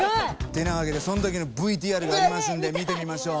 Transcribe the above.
てなわけでそん時のＶＴＲがありますんで見てみましょう。